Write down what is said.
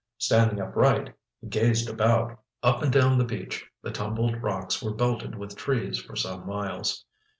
Standing upright, he gazed about. Up and down the beach, the tumbled rocks were belted with trees for some miles.